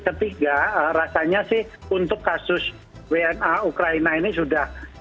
kondisi motor kerja pada klo ini hingga panggilan saluran penindapan setelah bagnim certified dengan st smt